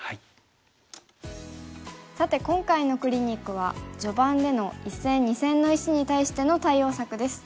さて今回のクリニックは序盤での一線二線の石に対しての対応策です。